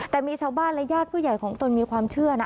แต่มีชาวบ้านและญาติผู้ใหญ่ของตนมีความเชื่อนะ